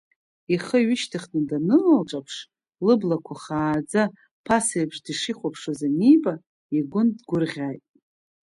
Ихы ҩышьҭыхны даныналҿаԥш, лылблақәа хааӡа ԥаса еиԥш дышихәаԥшуаз аниба, игәы нҭгәырӷьааит.